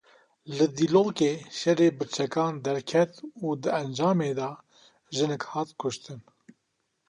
Li Dîlokê şerê bi çekan derket û di encamê de jinek hat kuştin.